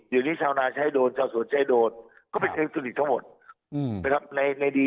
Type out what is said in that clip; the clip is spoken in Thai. อย่างนี้ชาวนางใช้โดนชาวสวนใช้โดนก็เป็นอิเล็กทรอนิกส์ทั้งหมด